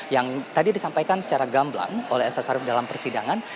yang tadi disampaikan secara gamblang oleh elsa syarif dalam persidangan